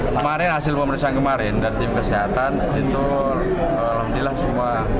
kemarin hasil pemeriksaan kemarin dari tim kesehatan itu alhamdulillah semua